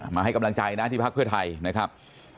มาให้กำลังใจนะที่พักเพื่อไทยนะครับ